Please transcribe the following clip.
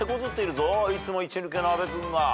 いつも一抜けの阿部君が。